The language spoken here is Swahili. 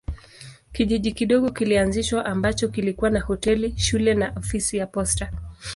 Kijiji kidogo kilianzishwa ambacho kilikuwa na hoteli, shule na ofisi ya posta.